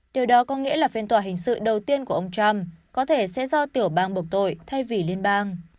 điều đó có nghĩa là phiên tòa hình sự đầu tiên của ông trump có thể sẽ do tiểu bang bục tội thay vì liên bang